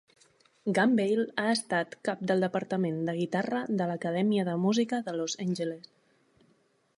Gambale ha estat cap del departament de guitarra de l'acadèmia de música de Los Angeles.